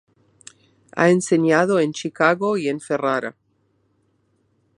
Ha enseñado en Chicago y en Ferrara.